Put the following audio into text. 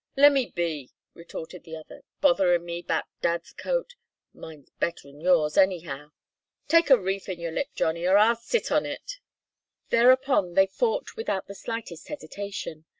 "Lemme be!" retorted the other. "Botherin' me 'bout dad's coat. Mine's better'n yours, anyhow." "Take a reef in your lip, Johnny, or I'll sit on it!" Thereupon they fought without the slightest hesitation.